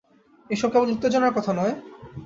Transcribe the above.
এ-সব কেবল উত্তেজনার কথা নয়?